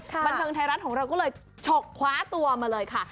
บันเทิงไทยรัฐของเราก็เลยฉกคว้าตัวมาเลยค่ะ